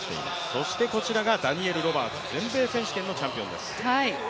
そしてこちらがダニエル・ロバーツ全米選手権のチャンピオンです。